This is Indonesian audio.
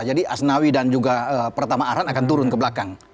jadi asnawi dan juga pertama arhan akan turun ke belakang